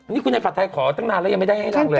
นี่คุณไอผัดไทยขอตั้งนานแล้วยังไม่ได้ให้นางเลย